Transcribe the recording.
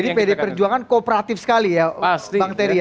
jadi pd perjuangan kooperatif sekali ya bang terry